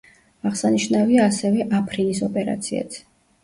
აღსანიშნავია ასევე აფრინის ოპერაციაც.